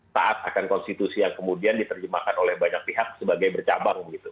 saat akan konstitusi yang kemudian diterjemahkan oleh banyak pihak sebagai bercabang begitu